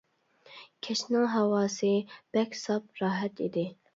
كەچنىڭ ھاۋاسى بەك ساپ، راھەت ئىدى.